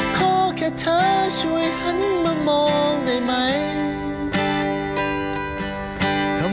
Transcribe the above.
ขอแค่เธอช่วยหันมามองได้ไหม